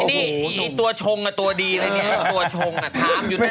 นี่ตัวชงน่ะตัวดีเลยนี่ตัวชงถามอยู่นั่นแหละ